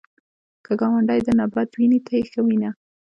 که ګاونډی درنه بد ویني، ته یې ښه وینه